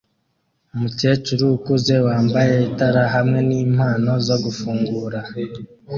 Umukecuru ukuze wambaye itara hamwe nimpano zo gufungura